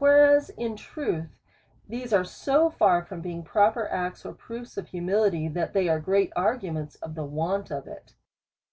Whereas in truth, these are so far from being pro per acts, or proofs of humility, that they are great arguments of the want of it.